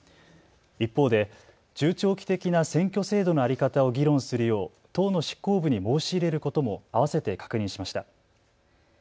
一方で中長期的な選挙制度の在り方を議論するよう党の執行部に申し入れることも併せて確認しました。